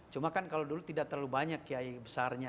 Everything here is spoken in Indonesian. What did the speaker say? cuma kan kalau dulu tidak terlalu banyak kiai besarnya